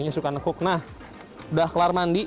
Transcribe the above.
nah udah kelar mandi